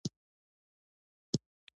ټایرونه باید ښه وي.